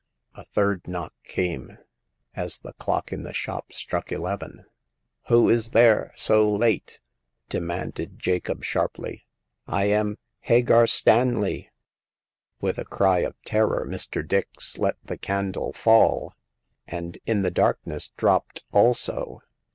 A third knock came, as the clock in the shop struck eleven. "Who is there, so late?" demanded Jacob, sharply. the Coming of Hagar. 15 " I am~Hagar Stanley !" With a cry of terror, Mr. Dix let the candle fall, and in the darkness dropped also.